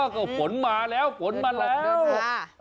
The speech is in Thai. เออก็ฝนมาแล้วฝนมาแล้วเดือนห้า